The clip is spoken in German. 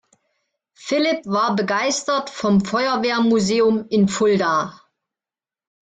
Philipp war begeistert vom Feuerwehrmuseum in Fulda.